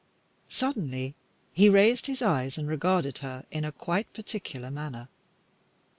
Suddenly he raised his eyes and regarded her in a quite particular manner.